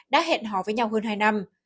đã hẹn họ với nhau hơn hai năm